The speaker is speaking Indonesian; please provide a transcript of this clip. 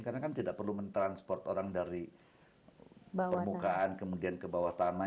karena kan tidak perlu mentransport orang dari permukaan ke bawah tanah